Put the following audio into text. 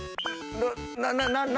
何？